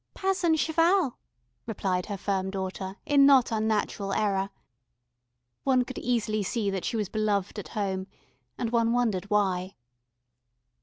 "Pas un cheval," replied her firm daughter, in not unnatural error. One could easily see that she was beloved at home, and one wondered why.